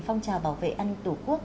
phong trào bảo vệ an ninh tổ quốc